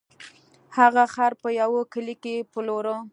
هغه خر په یوه کلي کې پلوره.